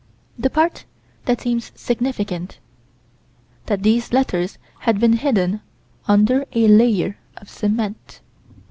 The part that seems significant: That these letters had been hidden under a layer of cement.